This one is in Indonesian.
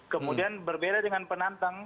kemudian berbeda dengan penantang